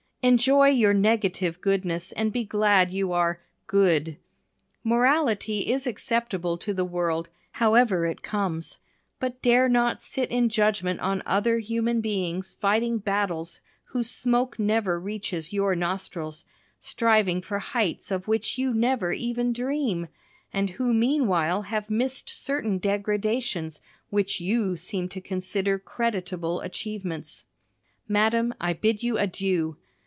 Enjoy your negative goodness and be glad you are "good." Morality is acceptable to the world, however it conies; but dare not sit in judgment on other human beings fighting battles whose smoke never reaches your nostrils, striving for heights of which you never even dream, and who meanwhile have missed certain degradations which you seem to consider creditable achievements. Madam, I bid you adieu.